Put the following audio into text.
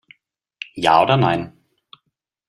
Ja oder nein?